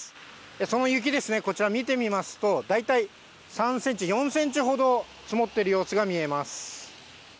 その雪ですね、こちら見てみますと、大体３センチ、４センチほど積もっている様子が見えます。